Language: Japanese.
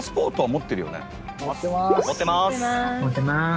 持ってます。